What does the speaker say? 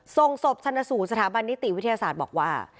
ส่งศพชนสู่สถาบันนิติวิทยาศาสตร์บอกว่า